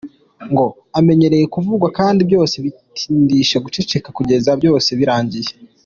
Ngo amenyereye kuvugwa kandi byose abitsindisha guceceka kugeza byose birangiye.